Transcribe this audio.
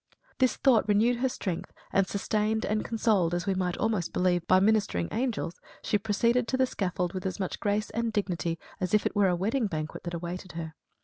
This thought renewed her strength and sustained and consoled, we might almost believe, by ministering angels, she proceeded to the scaffold with as much grace and dignity as if it were a wedding banquet that awaited her.